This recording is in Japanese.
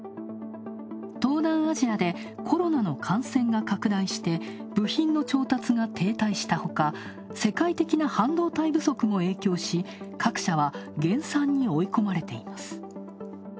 東南アジアでコロナの感染が拡大して部品の調達が停滞したほか、世界的な半導体不足も影響し各社は減産に追い込まれています。